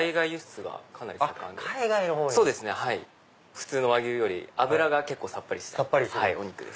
普通の和牛より脂が結構さっぱりしたお肉です。